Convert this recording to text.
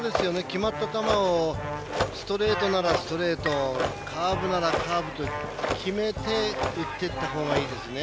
決まった球をストレートならストレートカーブならカーブと決めていったほうがいいですね。